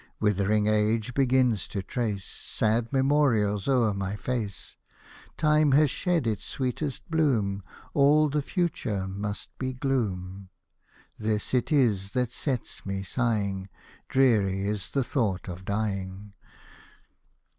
Withering age begins to trace Sad memorials o'er my face ; Time has shed its sweetest bloom, All the future must be gloom. This it is that sets me sighing ; Dreary is the thought of dying